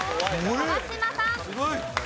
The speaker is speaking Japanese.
川島さん。